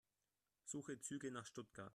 Suche Züge nach Stuttgart.